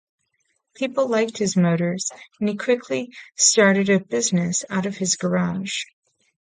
People liked his motors, and he quickly started a business out of his garage.